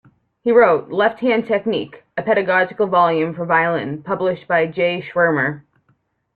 He wrote "Left Hand Technique", a pedagogical volume for violin published by G. Schirmer.